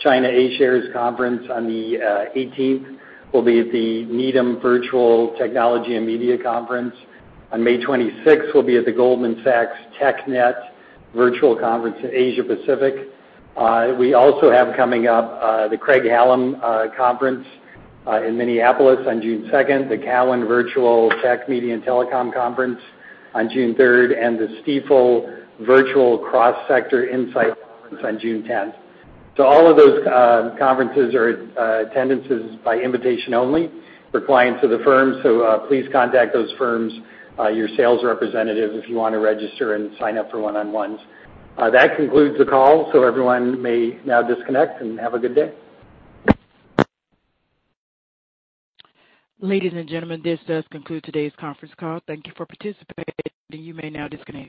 B: China A-Shares Conference. On the 18th, we'll be at the Needham Virtual Technology and Media Conference. On May 26th, we'll be at the Goldman Sachs TechNet Virtual Conference in Asia Pacific. We also have coming up, the Craig-Hallum Conference in Minneapolis on June 2nd, the Cowen Virtual Tech, Media and Telecom Conference on June 3rd, and the Stifel Virtual Cross Sector Insight Conference on June 10th. All of those conferences are attendances by invitation only for clients of the firm, so please contact those firms, your sales representative, if you want to register and sign up for one-on-ones. That concludes the call, so everyone may now disconnect and have a good day.
A: Ladies and gentlemen, this does conclude today's conference call. Thank you for participating. You may now disconnect.